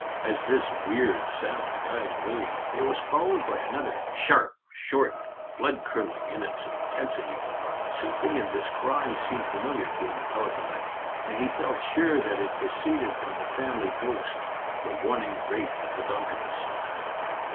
As this weird sound died away, it was followed by another, sharp, short, blood curdling in its intensity. Something in this cry seemed familiar to Eliphalet, and he felt sure that it proceeded from the family ghost, the warning wraith of the Duncans."